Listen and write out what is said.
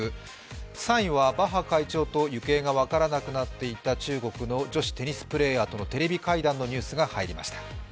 ３位にはバッハ会長と行方が分からなくなっていた中国の女子テニスプレーヤーとのテレビ会談のニュースが入りました。